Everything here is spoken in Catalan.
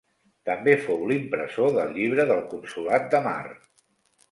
També fou l’impressor del Llibre del Consolat de Mar.